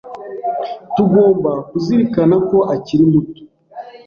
Tugomba kuzirikana ko akiri muto.